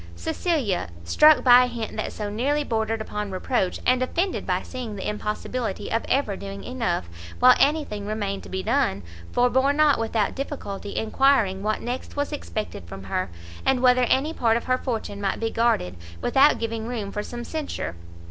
Cecilia, struck by a hint that so nearly bordered upon reproach, and offended by seeing the impossibility of ever doing enough, while anything remained to be done, forbore not without difficulty enquiring what next was expected from her, and whether any part of her fortune might be guarded, without giving room for some censure!